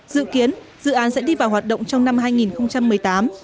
dự kiến dự án sẽ đi vào hoạt động trong năm hai nghìn một mươi tám